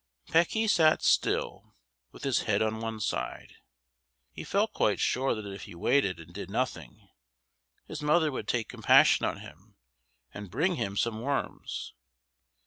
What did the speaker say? Pecky sat still, with his head on one side. He felt quite sure that if he waited and did nothing, his mother would take compassion on him and bring him some worms.